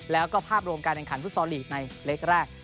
แล้วก็ภาพโรงการแผ่นขันฟุตซอร์ในเลขแรก